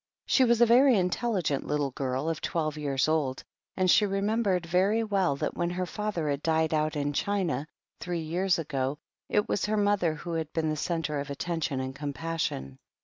She was a very intelligent little girl of twelve years old, and she remembered very well that when her father had died out in China, three years ago, it was her mother who had been the centre of attention and compassion.